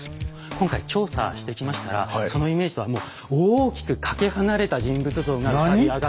今回調査してきましたらそのイメージとはもう大きくかけ離れた人物像が浮かび上がってきたんです。